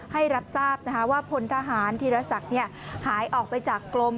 ให้รับทราบว่าพลทหารธีรศักดิ์หายออกไปจากกลม